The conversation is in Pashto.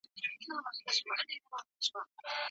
مسواک وهل په انسان کې عقلاني پوهه زیاتوي.